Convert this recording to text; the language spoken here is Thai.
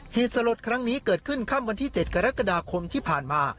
เหตุสลดครั้งนี้เกิดขึ้นค่ำวันที่๗กรกฎาคมที่ผ่านมา